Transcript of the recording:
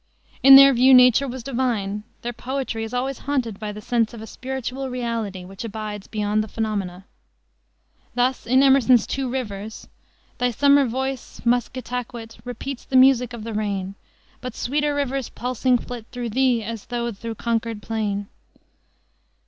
In their view nature was divine. Their poetry is always haunted by the sense of a spiritual reality which abides beyond the phenomena. Thus in Emerson's Two Rivers: "Thy summer voice, Musketaquit, Repeats the music of the rain, But sweeter rivers pulsing flit Through thee as thou through Concord plain.